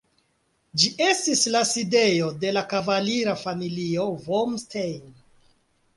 Ĝi estis la sidejo de la kavalira familio vom Stein.